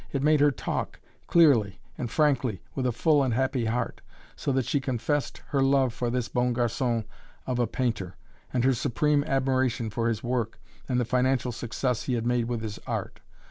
It made her talk clearly and frankly, with a full and a happy heart, so that she confessed her love for this "bon garçon" of a painter, and her supreme admiration for his work and the financial success he had made with his art.